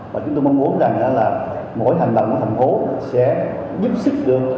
và chúng tôi mong muốn rằng là mỗi hành động của thành phố sẽ giúp sức được